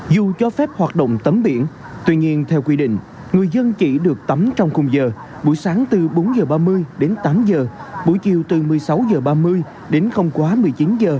dù cho phép hoạt động tắm biển tuy nhiên theo quy định người dân chỉ được tắm trong cùng giờ buổi sáng từ bốn h ba mươi đến tám h buổi chiều từ một mươi sáu h ba mươi đến không quá một mươi chín h